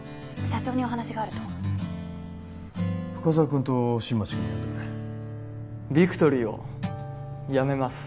社長にお話があると深沢君と新町君も呼んでくれビクトリーをやめます